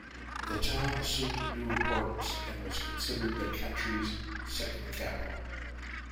The town assumed new importance and was considered the country's second capital.